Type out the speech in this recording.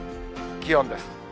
気温です。